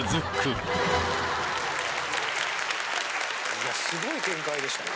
いやすごい展開でしたね。